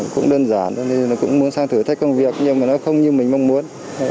cũng đơn giản nó cũng muốn sang thử thách công việc nhưng mà nó không như mình mong muốn